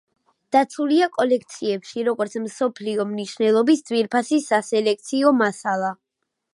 დაცულია კოლექციებში, როგორც მსოფლიო მნიშვნელობის ძვირფასი სასელექციო მასალა.